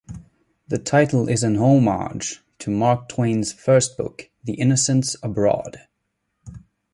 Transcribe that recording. The title is an homage to Mark Twain's first book, "The Innocents Abroad".